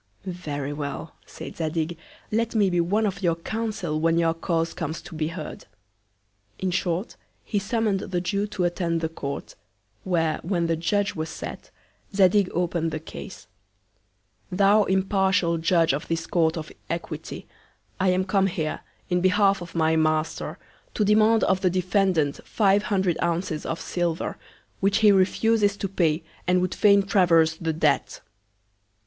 Very well! said Zadig, let me be one of your Council when your Cause comes to be heard. In short, he summon'd the Jew to attend the Court; where, when the Judge was sat, Zadig open'd the Cause: Thou impartial Judge of this Court of Equity, I am come here, in behalf of my Master, to demand of the Defendant five hundred Ounces of Silver, which he refuses to pay, and would fain traverse the Debt.